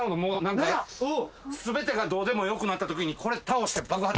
全てがどうでもよくなったときにこれ倒して爆発。